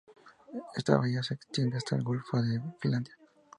Esta bahía se extiende hasta el Golfo de Finlandia.